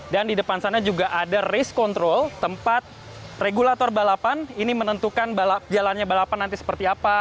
dan di depan sana juga ada race control tempat regulator balapan ini menentukan jalannya balapan nanti seperti apa